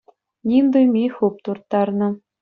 Ним туйми хуп турттарнӑ.